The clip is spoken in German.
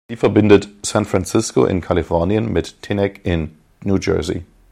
Sie verbindet San Francisco in Kalifornien mit Teaneck in New Jersey.